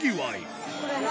これ何？